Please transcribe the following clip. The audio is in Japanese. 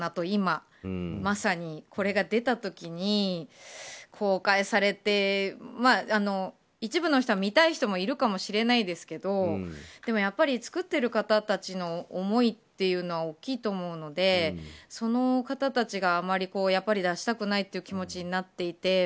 今、まさにこれが出た時に公開されて一部の人は見たい人もいるかもしれないですけどやっぱり作っている方たちの思いというのは大きいと思うので、その方たちがあまり、出したくないという気持ちになっていて。